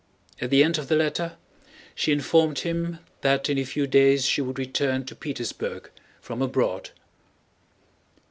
At the end of the letter she informed him that in a few days she would return to Petersburg from abroad.